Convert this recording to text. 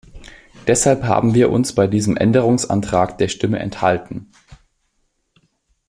Deshalb haben wir uns bei diesem Änderungsantrag der Stimme enthalten.